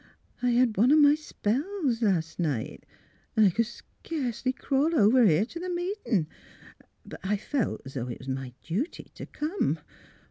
I had one o' my spells last night, an' I could sea 'cely crawl over here t ' the meeting. But I felt 's 'o' it was my duty t' come.